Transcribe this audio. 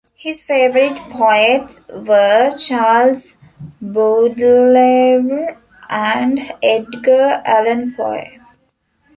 His favorite poets were Charles Baudelaire and Edgar Allan Poe.